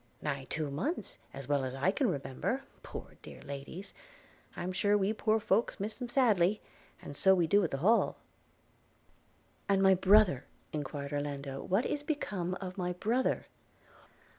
'Nigh two months, as well as I can remember; poor dear ladies! I'm sure we poor folks miss them sadly, and so we do the Hall' – 'And my brother,' enquired Orlando, 'what is become of my brother?'